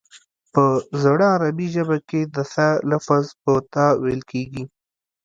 په زړه عربي ژبه کې د ث لفظ په ت ویل کېږي